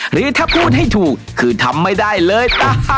หรือถ้าพูดให้ถูกคือทำไม่ได้เลย